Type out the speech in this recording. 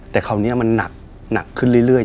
แต่คราวนี้มันหนักขึ้นเรื่อย